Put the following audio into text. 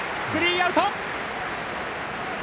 スリーアウト。